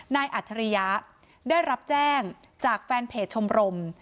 นายอัฐรยาได้รับแจ้งจากแฟนเพจชมรม